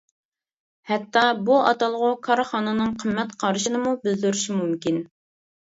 ھەتتا بۇ ئاتالغۇ كارخانىنىڭ قىممەت قارىشىنىمۇ بىلدۈرۈشى مۇمكىن.